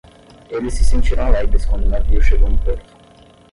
Eles se sentiram alegres quando o navio chegou no porto.